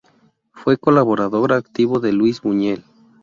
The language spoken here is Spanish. Fue colaborador activo de Luis Buñuel.